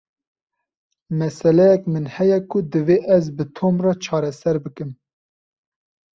Meseleyek min heye ku divê ez bi Tom re çareser bikim.